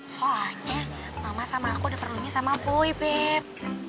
soalnya mama sama aku udah perlunya sama boy beb